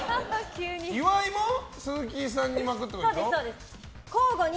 岩井も鈴木さんに巻くってこと？